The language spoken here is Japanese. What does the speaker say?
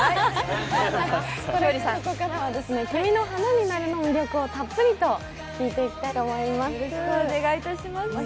ここからは「君の花になる」の魅力をたっぷりと聞いていきたいと思います。